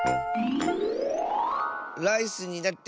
ライスになって